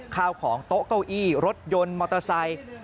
ข้าวของโต๊ะเก้าอี้รถยนต์มอเตอร์ไซค์